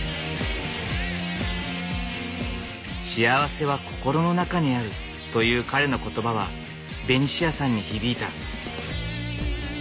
「幸せは心の中にある」という彼の言葉はベニシアさんに響いた。